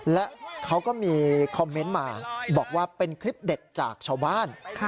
และเขาก็มีคอมเมนต์มาบอกว่าเป็นคลิปเด็ดจากชาวบ้าน